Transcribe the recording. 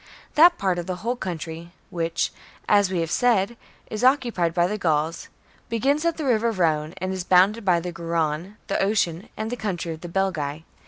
That part of the whole country which, as we have said, is occupied by the Gauls, begins at the river Rhdne, and is bounded by the Garonne, the Ocean, and the country of the Belgae.